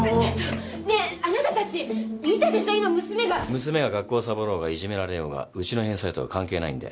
娘が学校サボろうがいじめられようがうちの返済とは関係ないんで。